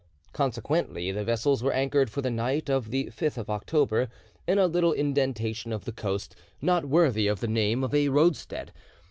Consequently the vessels were anchored for the night of the 5th of October in a little indentation of the coast not worthy of the name of a roadstead.